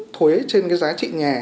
thuế trên cái giá trị nhà